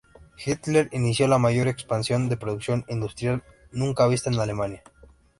Hitler inició la mayor expansión de producción industrial nunca vista en Alemania.